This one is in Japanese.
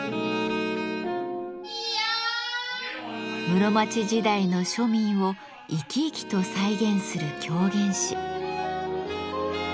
室町時代の庶民を生き生きと再現する狂言師。